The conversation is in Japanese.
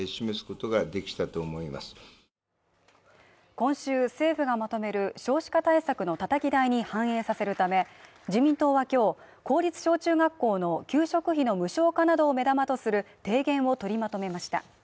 今週、政府がまとめる少子化対策のたたき台に反映させるため、自民党は今日、公立小中学校の給食費の無償化などを目玉とする提言を取りまとめました。